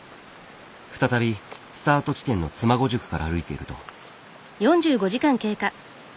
再びスタート地点の妻籠宿から歩いていると。